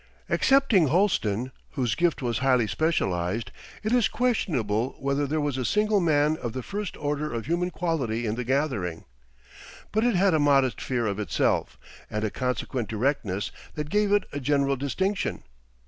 Excepting Holsten, whose gift was highly specialised, it is questionable whether there was a single man of the first order of human quality in the gathering. But it had a modest fear of itself, and a consequent directness that gave it a general distinction.